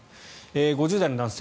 ５０代の男性。